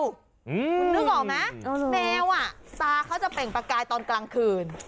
คุณนึกออกไหมแมวตาเขาจะเปล่งประกายตอนกลางคืน